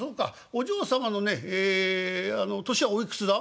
お嬢様のねええ年はおいくつだ？」。